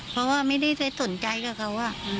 เพราะว่าไม่ได้สนใจกับเขา